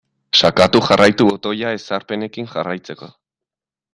Sakatu jarraitu botoia ezarpenekin jarraitzeko.